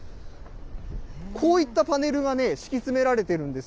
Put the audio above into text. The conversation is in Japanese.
こういったパネルが敷き詰められているんです。